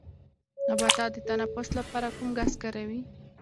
نباتات د تنفس لپاره کوم ګاز کاروي